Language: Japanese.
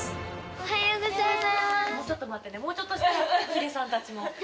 おはようございます。